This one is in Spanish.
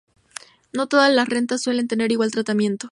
No todas las rentas suelen tener igual tratamiento.